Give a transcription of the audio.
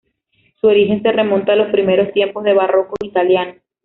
Su origen se remonta a los primeros tiempos de barroco italiano.